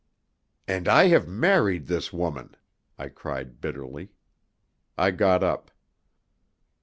"And I have married this woman!" I cried bitterly. I got up.